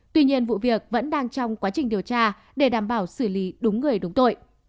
tuy nhiên vụ việc vẫn đang trong quá trình điều tra để đảm bảo xử lý đúng người đúng tội